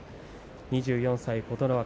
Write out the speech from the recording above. ２４歳、琴ノ若。